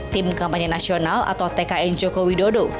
tim kampanye nasional atau tkn joko widodo